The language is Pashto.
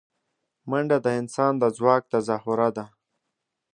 منډه د انسان د ځواک تظاهره ده